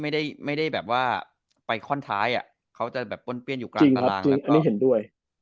ไม่ได้ไม่ได้แบบว่าปลายข้อนท้ายอ่ะเขาจะแบบป้นเปี้ยนอยู่กันก็มาไม่เห็นด้วย